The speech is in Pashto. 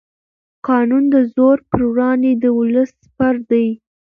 قانون د زور پر وړاندې د ولس سپر دی